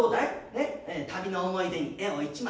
ねえ旅の思い出に絵を１枚。